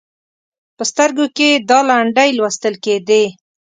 په سترګو کې یې دا لنډۍ لوستل کېدې: